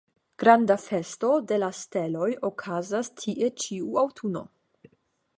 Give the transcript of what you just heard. Granda festo de la steloj okazas tie ĉiu aŭtuno.